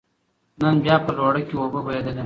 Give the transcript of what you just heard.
نن بيا په لوړه کې اوبه بهېدلې